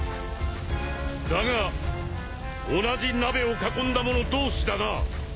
だが同じ鍋を囲んだ者同士だな。